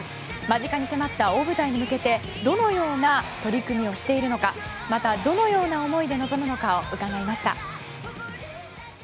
間近に迫った大舞台に向けてどのような取り組みをしているのかまた、どのような思いで臨むのか伺いました。